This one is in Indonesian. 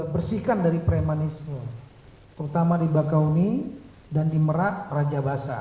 bersihkan dari premanisme terutama di bakauni dan di merak raja basah